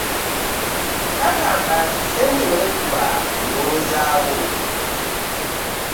Bagamba ssente w'ekuba egonzaawo.